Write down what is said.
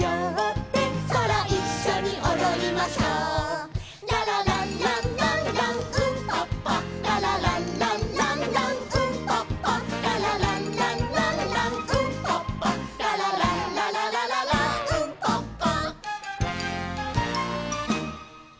「そらいっしょにおどりましょう」「ララランランランランウンパッパ」「ララランランランランウンパッパ」「ララランランランランウンパッパ」「ララランラララララーウンパッパ」